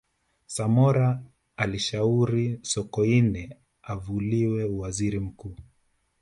samora alishauri sokoine avuliwe uwaziri mkuu